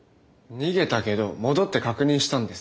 逃げたけど戻って確認したんです。